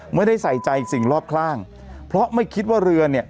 ไม่ได้ใส่ใจสิ่งรอบข้างเพราะไม่คิดว่าเรือเนี่ย